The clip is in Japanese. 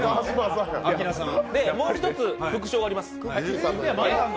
もう一つ副賞があります。